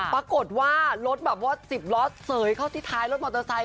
ปรากฏว่ารถแบบว่า๑๐ล้อเสยเข้าที่ท้ายรถมอเตอร์ไซค